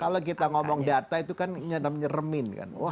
kalau kita ngomong data itu kan menyeremin